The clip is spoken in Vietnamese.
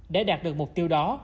để đạt được mục tiêu đó